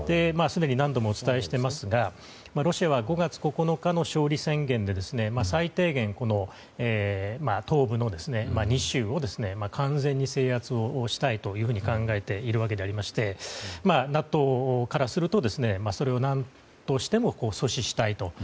すでに何度もお伝えしていますがロシアは５月９日の勝利宣言で最低限、東部の２州を完全に制圧をしたいというふうに考えているわけでありましてＮＡＴＯからするとそれを何としても阻止したいと。